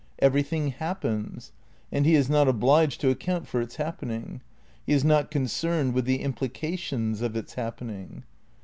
Everything happens ; and he is not obliged to account for its happening; he is not concerned with the implications of its happening.